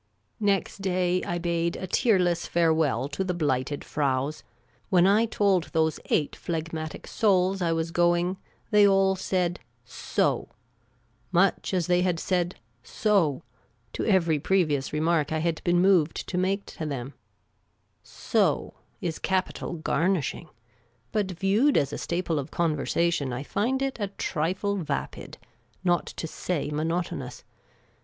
Next day I bade a tearless farewell to the Blighted Fraus, When I told those eight phlegmatic souls I was going, they all said "So !" much as they had said " So !" to every pre vious remark I had been moved to make to them. " So " is capital garnishing ; but viewed as a staple of conversation, I find it a trifle vapid, not to say monotonous.